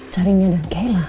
carinya dengan kayla